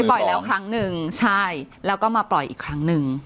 ปล่อยแล้วครั้งหนึ่งใช่แล้วก็มาปล่อยอีกครั้งหนึ่ง